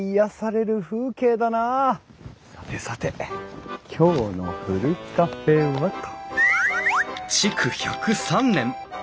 さてさて今日のふるカフェはと。